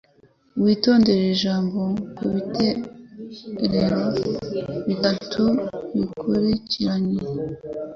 Witondere iri jambo kubitero bitatu bikurikiranye